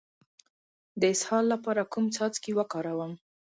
د اسهال لپاره کوم څاڅکي وکاروم؟